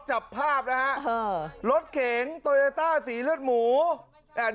ชัดภาพนะฮะ